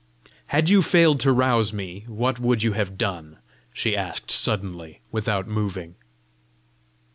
"Had you failed to rouse me, what would you have done?" she asked suddenly without moving.